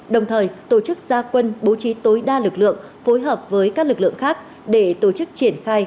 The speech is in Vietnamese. đồng thời tổ chức gia quân bố trí tối đa lực lượng phối hợp với các lực lượng khác để tổ chức triển khai